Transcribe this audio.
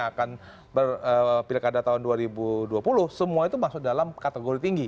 pada saat pilih kata tahun dua ribu dua puluh semua itu masuk dalam kategori tinggi